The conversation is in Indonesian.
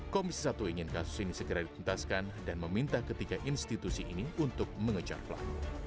komisi satu ingin kasus ini segera dituntaskan dan meminta ketiga institusi ini untuk mengejar pelaku